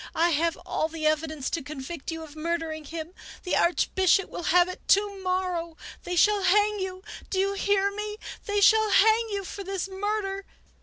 I have all the evidence to convict you of murdering him ! The Archbishop will have it to morrow ! They shall hang you ! Do you hear me ? They shall hang you for this murder